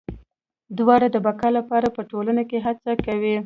دواړه د بقا لپاره په ټولنو کې هڅه کوي.